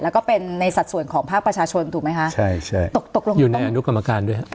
แล้วก็เป็นในสัดส่วนของภาคประชาชนถูกไหมคะใช่ใช่ตกตกลงอยู่ในอนุกรรมการด้วยฮะ